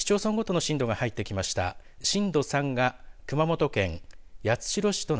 市町村ごとの震度が入ってきました。